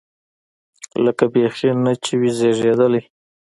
لکه بيخي نه چې وي زېږېدلی.